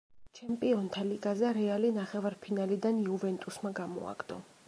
ჩემპიონთა ლიგაზე რეალი ნახევარფინალიდან „იუვენტუსმა“ გამოაგდო.